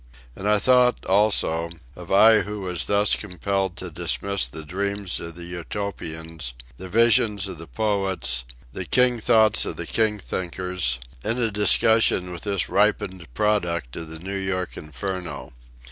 And I thought, also, of I who was thus compelled to dismiss the dreams of the utopians, the visions of the poets, the king thoughts of the king thinkers, in a discussion with this ripened product of the New York City inferno.